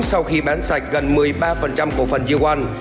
sau khi bán sạch gần một mươi ba của phần diêu quan